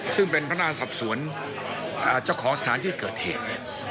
ซึ่งเป็นพนักงานสอบสวนเจ้าของสถานที่เกิดเหตุ